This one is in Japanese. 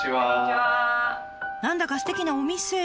何だかすてきなお店。